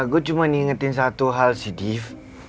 gue cuma ngingetin satu hal sih div